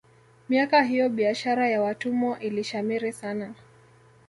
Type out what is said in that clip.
miaka hiyo biashara ya watumwa ilishamiri sana